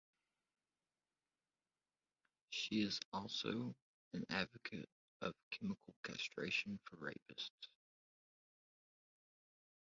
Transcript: She is also an advocate of chemical castration for rapists.